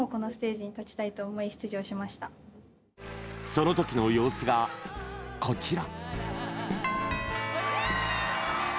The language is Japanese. そのときの様子が、こちら。